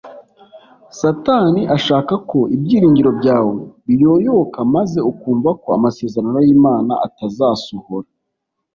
Satani ashaka ko ibyiringiro byawe biyoyoka maze ukumva ko amasezerano y Imana atazasohora